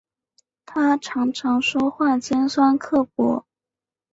她常常说话尖酸刻薄